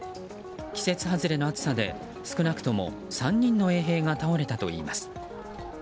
季節外れの暑さで少なくとも３人の衛兵が倒れたといいます。